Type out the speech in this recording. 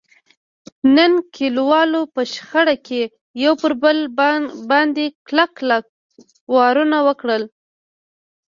نن کلیوالو په شخړه کې یو پر بل باندې کلک کلک وارونه وکړل.